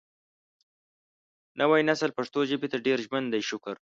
نوی نسل پښتو ژبې ته ډېر ژمن دی شکر